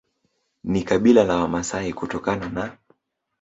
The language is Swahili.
ni kabila la Wamasai kutokana na